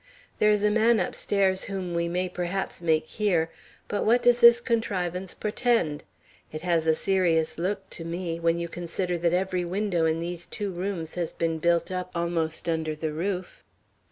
"There is a man upstairs whom we may perhaps make hear, but what does this contrivance portend? It has a serious look to me, when you consider that every window in these two rooms has been built up almost under the roof."